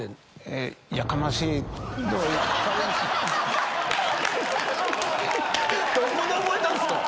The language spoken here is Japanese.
・どこで覚えたんですか？